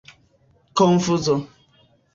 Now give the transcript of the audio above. konfuzo